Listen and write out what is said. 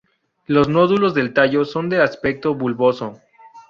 Los nódulos del tallo son de aspecto bulboso.